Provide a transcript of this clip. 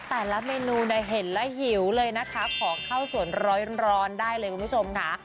แต่ละเมนูเนี่ยเห็นแล้วหิวเลยนะคะขอข้าวสวนร้อนได้เลยคุณผู้ชมค่ะ